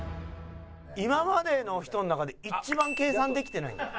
「今までの人の中で一番計算できてないんじゃ？」